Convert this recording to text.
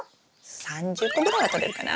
３０個ぐらいはとれるかな。